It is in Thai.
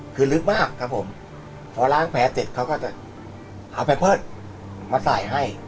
คือลึกมากครับผมพอล้างแผลเสร็จเขาก็จะเอาแพ่นมาใส่ให้